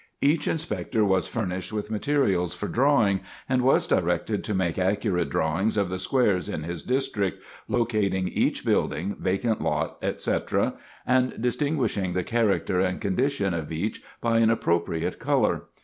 Each Inspector was furnished with materials for drawing, and was directed to make accurate drawings of the squares in his district, locating each building, vacant lot, etc., and distinguishing the character and condition of each by an appropriate color.